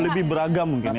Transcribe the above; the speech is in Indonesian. lebih beragam mungkin ya